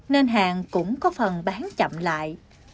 nên hàng cũng có phần bán chậm lại